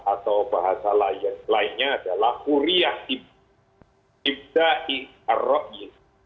atau bahasa lainnya adalah kuria ibda i arroi